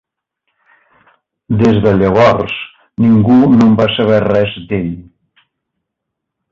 Des de llavors ningú no va saber res d'ell.